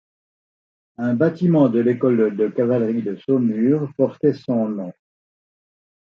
Un batiment de l'Ecole de cavalerie de Saumur portait son nom.